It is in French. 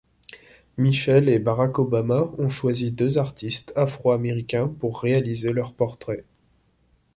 Michelle et Barack Obama ont choisi deux artistes afro-américains pour réaliser leurs portraits.